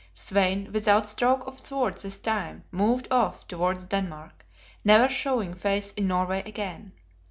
Svein, without stroke of sword this time, moved off towards Denmark; never showing face in Norway again.